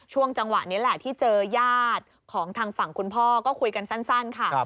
จังหวะนี้แหละที่เจอญาติของทางฝั่งคุณพ่อก็คุยกันสั้นค่ะ